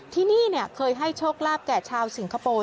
ที่นี่เคยให้โชคลาภแก่ชาวสิงคโปร์